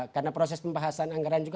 karena proses pembahasan anggaran